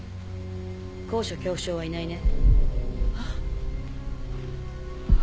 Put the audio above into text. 高所恐怖症はいないね？